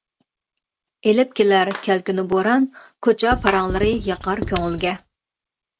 ئېلىپ كېلەر كەلكۈننى بوران، كوچا پاراڭلىرى ياقار كۆڭۈلگە.